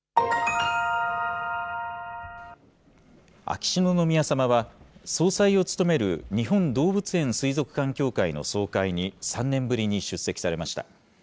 秋篠宮さまは、総裁を務める日本動物園水族館協会の総会に３年ぶりに出席されました。